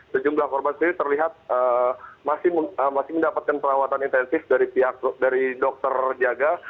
sejumlah korban sendiri terlihat masih mendapatkan perawatan intensif dari dokter jaga